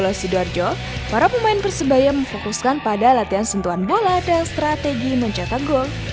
di sidoarjo para pemain persebaya memfokuskan pada latihan sentuhan bola dan strategi mencetak gol